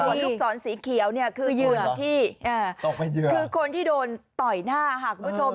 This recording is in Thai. ลูกศรสีเขียวคือคนที่โดนต่อยหน้าค่ะคุณผู้ชม